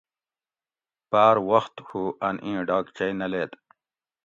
باۤر وخت ہُو اۤن ایں ڈاکچئ نہ لید